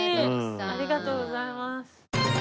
ありがとうございます。